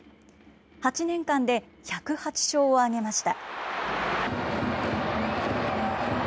８年間で１０８勝を挙げました。